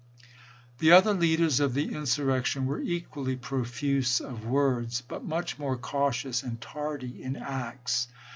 The other leaders of the insurrection were equally profuse of words, but much more cautious and tardy in acts.